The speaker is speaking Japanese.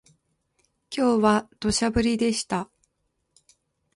今日は土砂降りでした